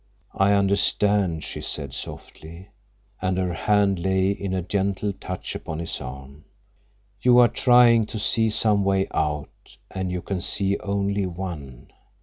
"I understand," she said softly, and her hand lay in a gentle touch upon his arm. "You are trying to see some way out, and you can see only one.